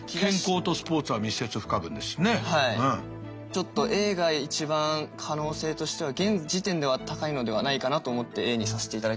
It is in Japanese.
ちょっとＡが一番可能性としては現時点では高いのではないかなと思ってＡにさせていただきました。